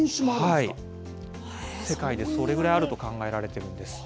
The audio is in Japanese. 世界でそれぐらいあると考えられているんです。